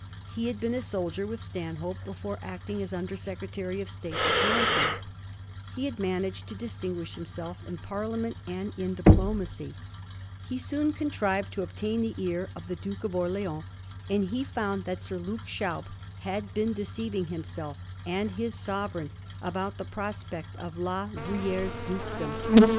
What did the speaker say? He had been a soldier with Stanhope before acting as Under Secretary of State to Towns hend ; he had managed to distinguish himself in Parliament and in diplomacy. He soon contrived to obtain the ear of the Duke of Orleans, and he found that Sir Luke Schaub had been deceiving himself and his sovereign about the prospect of La VriUiere's Digiti zed by Google 1724 CARTERET GOES TO IRELAND. 313 dukedom.